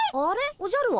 おじゃるは？